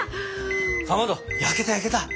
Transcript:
かまど焼けた焼けた。